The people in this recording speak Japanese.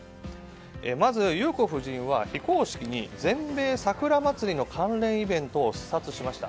まず、裕子夫人は非公式に全米桜祭りの関連イベントを視察しました。